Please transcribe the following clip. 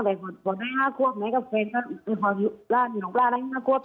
หลายห้าครอบแม่กับเพร็นด์กันเลยค่ะ